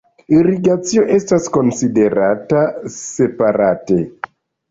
Irigacio estas konsiderata separate.